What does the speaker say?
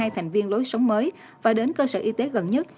hai thành viên lối sống mới và đến cơ sở y tế gần nhất